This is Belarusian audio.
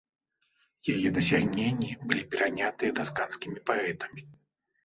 Яе дасягнення былі перанятыя тасканскімі паэтамі.